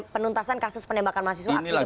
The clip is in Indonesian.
penuntasan kasus penembakan mahasiswa